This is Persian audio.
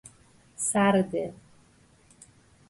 سررده